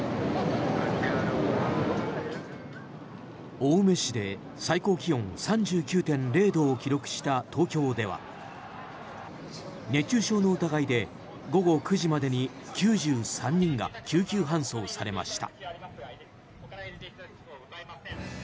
青梅市で最高気温３９．０度を記録した東京では熱中症の疑いで午後９時までに９３人が救急搬送されました。